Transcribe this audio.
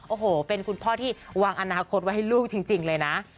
โอ้โหเป็นคุณพ่อที่วางอนาคตไว้ให้ลูกจริงเลยนะ